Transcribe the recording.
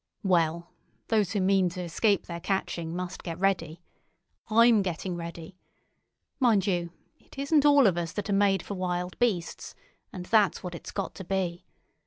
"Well, those who mean to escape their catching must get ready. I'm getting ready. Mind you, it isn't all of us that are made for wild beasts; and that's what it's got to be.